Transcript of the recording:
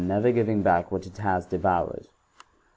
never giving back what it has devoured.